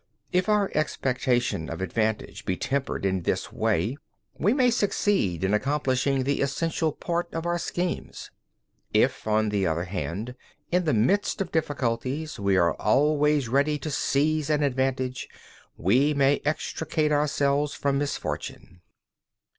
8. If our expectation of advantage be tempered in this way, we may succeed in accomplishing the essential part of our schemes. 9. If, on the other hand, in the midst of difficulties we are always ready to seize an advantage, we may extricate ourselves from misfortune.